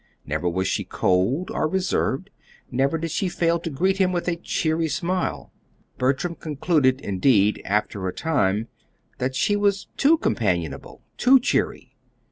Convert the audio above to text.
Never was she cold or reserved. Never did she fail to greet him with a cheery smile. Bertram concluded, indeed, after a time, that she was too companionable, too cheery.